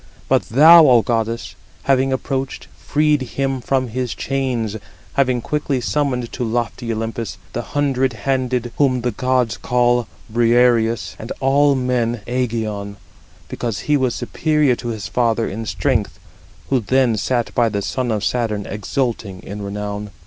But thou, O goddess, having approached, freed him from his chains, having quickly summoned to lofty Olympus, the hundred handed, whom the gods call Briareus, and all men Ægeon, because he was superior to his father in strength, 47 who then sat by the son of Saturn, exulting in renown.